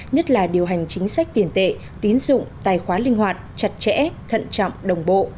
nhất là điều hành chính sách tiền tệ tín dụng tài khoá linh hoạt chặt chẽ thận trọng đồng bộ